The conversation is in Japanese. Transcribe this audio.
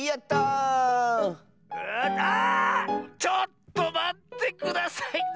ちょっとまってください！